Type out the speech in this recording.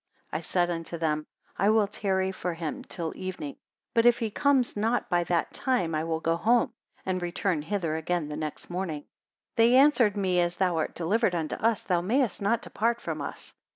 97 I said unto them, I will tarry for him till evening; but if he comes not by that time, I will go home, and return hither again the next morning. 98 They answered me, As thou art delivered unto us, thou mayest not depart from us.